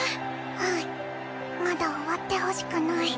うんまだ終わってほしくない。